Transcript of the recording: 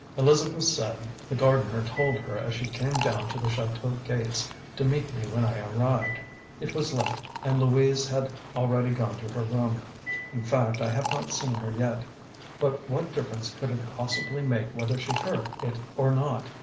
Elizabeth said the gardener told her as she came down to the chateau gates to meet me when I arrived it was late, and Louise had already gone to her room. In fact, I have not seen her yet. But what difference could it possibly make whether she heard it or not?